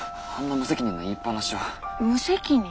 無責任？